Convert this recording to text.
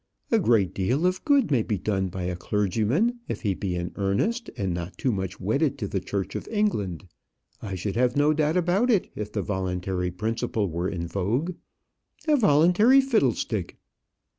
A great deal of good may be done by a clergyman if he be in earnest and not too much wedded to the Church of England. I should have no doubt about it if the voluntary principle were in vogue." "A voluntary fiddlestick!"